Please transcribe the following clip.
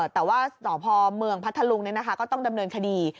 แต่ว่าสพเมืองพัทธลุงก็ต้องดำเนินคดี